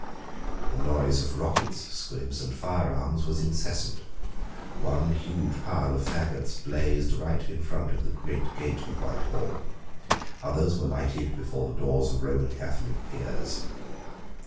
The noise of rockets, squibs, and firearms, was incessant. One huge pile of faggots blazed right in front of the great gate of Whitehall. Others were lighted before the doors of Roman Catholic Peers.